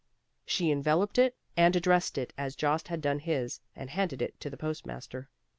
She enveloped it, and addressed it as Jost had done his, and handed it to the post master.